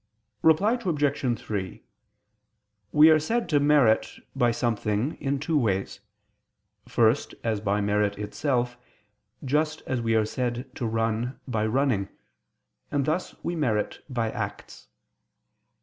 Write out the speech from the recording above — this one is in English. Reply Obj. 3: We are said to merit by something in two ways. First, as by merit itself, just as we are said to run by running; and thus we merit by acts.